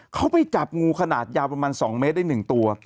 เขาไปจับงูขนาดยาวประมาณ๒เมตรได้๑ตัว